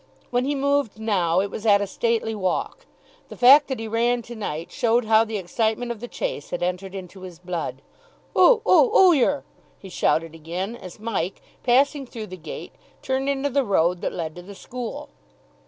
When he moved now it was at a stately walk. The fact that he ran to night showed how the excitement of the chase had entered into his blood. "Oo oo oo yer!" he shouted again, as Mike, passing through the gate, turned into the road that led to the school.